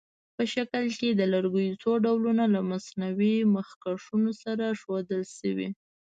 په شکل کې د لرګیو څو ډولونه له مصنوعي مخکشونو سره ښودل شوي.